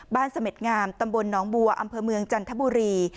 เสม็ดงามตำบลหนองบัวอำเภอเมืองจันทบุรี